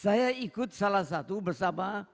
saya ikut salah satu bersama